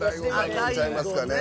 なんちゃいますかね。